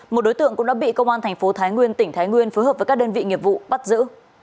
một đối tượng cũng đã bị công an thành phố thái nguyên tỉnh thái nguyên phối hợp với các đơn vị nghiệp vụ bắt giữ